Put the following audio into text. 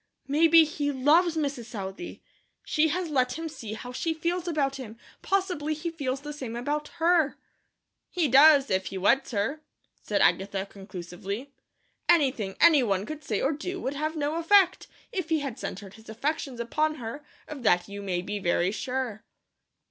"Maybe he LOVES Mrs. Southey. She has let him see how she feels about him; possibly he feels the same about her." "He does, if he weds her," said Agatha, conclusively. "Anything any one could say or do would have no effect, if he had centred his affections upon her, of that you may be very sure."